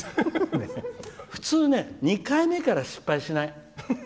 普通ね、２回目から失敗しない。